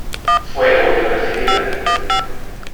Fue muy bien recibida.